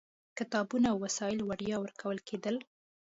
کتابونه او وسایل وړیا ورکول کېدل.